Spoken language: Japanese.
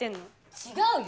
違うよ！